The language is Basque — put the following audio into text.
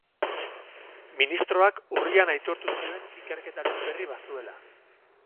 Ministroak urrian aitortu zuen ikerketaren berri bazuela.